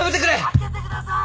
開けてください！